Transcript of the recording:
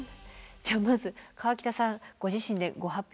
じゃあまず河北さんご自身でご発表